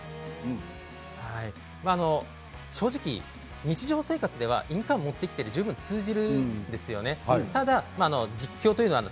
正直、日常生活では印鑑持ってきてで十分通じるんですね。